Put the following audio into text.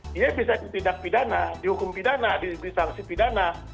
dia bisa ditindak pidana dihukum pidana disangsi pidana